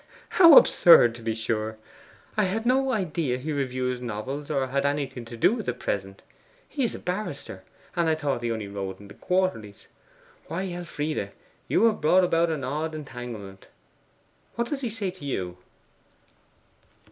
How absurd, to be sure! I had no idea he reviewed novels or had anything to do with the PRESENT. He is a barrister and I thought he only wrote in the Quarterlies. Why, Elfride, you have brought about an odd entanglement! What does he say to you?